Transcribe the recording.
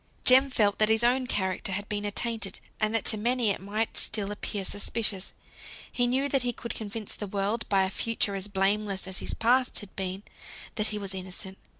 Jem felt that his own character had been attainted; and that to many it might still appear suspicious. He knew that he could convince the world, by a future as blameless as his past had been, that he was innocent.